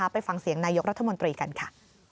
ไปฟังเสียงนายกรัฐมนตรีกันค่ะ